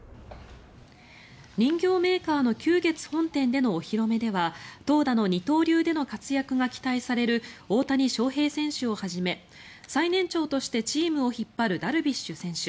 人形メーカーの久月本店でのお披露目では投打の二刀流での活躍が期待される大谷翔平選手をはじめ最年長としてチームを引っ張るダルビッシュ選手